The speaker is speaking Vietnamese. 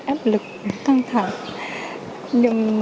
lực lực căng thẳng